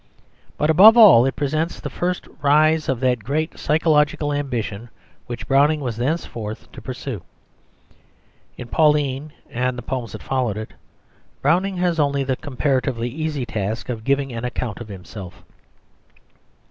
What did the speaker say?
But, above all, it presents the first rise of that great psychological ambition which Browning was thenceforth to pursue. In Pauline and the poems that follow it, Browning has only the comparatively easy task of giving an account of himself.